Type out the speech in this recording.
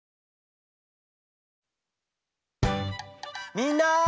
みんな！